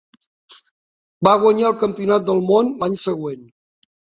Va guanyar el Campionat del Món l'any següent.